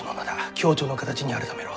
共著の形に改めろ。